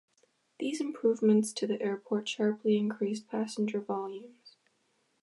These improvements to the airport sharply increased passenger volumes.